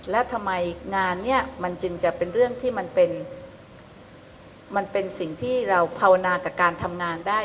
แล้วทำไมงานนี้มันจึงจะเป็นเรื่องที่มันเป็นมันเป็นสิ่งที่เราภาวนากับการทำงานได้